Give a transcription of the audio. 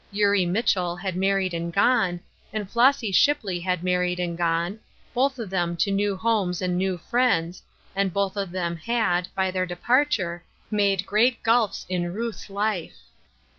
Eiirie Mitchell had married and gone, and Flossy Shipley had married and gone, both of them to new homes and new friends, and both of them had, by their departure, made great gulfs in Ruth's life.